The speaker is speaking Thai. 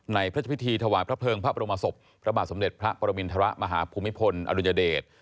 พระเจ้าพิธีถวายพระเภิงพระบรมศพพระบาทสมเด็จพระปรมินทรมาฮภูมิพลอดุญเดช